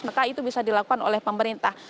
maka itu bisa dilakukan oleh pemerintah